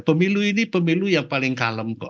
pemilu ini pemilu yang paling kalem kok